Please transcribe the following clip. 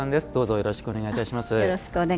よろしくお願いします。